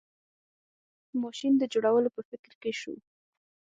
ماشین د جوړولو په فکر کې شو.